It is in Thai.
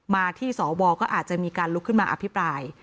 มาที่สวก็อาจจะมีการลุกขึ้นมาอภิปราย